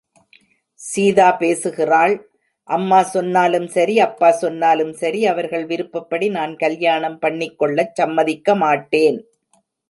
சீதா பேசுகிறாள்... அம்மா சொன்னலும் சரி அப்பா சொன்னலும் சரி அவர்கள் விருப்பப்படி நான் கல்யாணம் பண்ணிக்கொள்ளச் சம்மதிக்கமாட்டேன்.